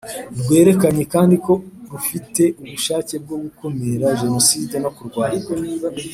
Rwerekanye kandi ko rufite ubushake bwo gukumira Jenoside no kurwanya